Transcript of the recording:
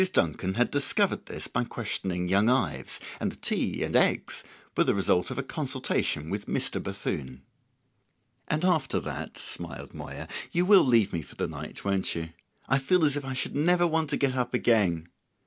Duncan had discovered this by questioning young Ives, and the tea and eggs were the result of a consultation with Mr. Bethune. "And after that," smiled Moya, "you will leave me for the night, won't you? I feel as if I should never want to get up again!"